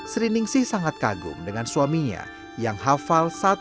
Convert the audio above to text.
seri ningsi sangat kagum dengan suaminya yang hafal satu kematiannya